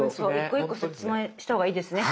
１個１個質問した方がいいですね